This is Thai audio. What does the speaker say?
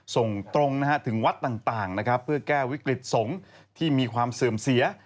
ส่งตรงถึงวัดต่างนะครับเพื่อแก้วิกฤตสงฆ์ที่มีความเสื่อมเสีย